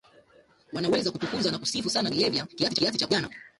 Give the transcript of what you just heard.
wanaweza kutukuza na kusifu sana dawa za kulevya kiasi cha kwamba vijana